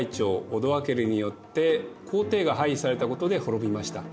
オドアケルによって皇帝が廃位されたことで滅びました。